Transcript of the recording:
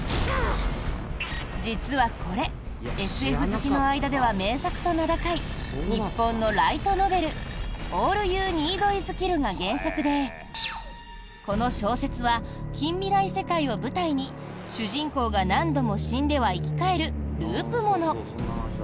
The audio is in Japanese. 実はこれ、ＳＦ好きの間では名作と名高い日本のライトノベル「オール・ユー・ニード・イズ・キル」が原作でこの小説は、近未来世界を舞台に主人公が何度も死んでは生き返るループもの。